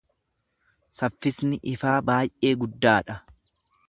Saffisni ifaa baay’ee guddaa dha.